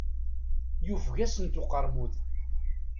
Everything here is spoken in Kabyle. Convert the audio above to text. Yufeg-asent uqermud.